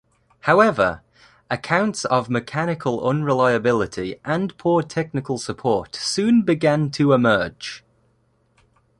However, accounts of mechanical unreliability and poor technical support soon began to emerge.